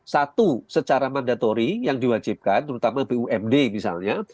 satu secara mandatori yang diwajibkan terutama bumd misalnya